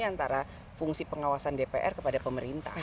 bukan secara fungsi pengawasan dpr kepada pemerintah